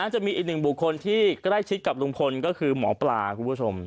จะมีอีกหนึ่งบุคคลที่ใกล้ชิดกับลุงพลก็คือหมอปลาคุณผู้ชม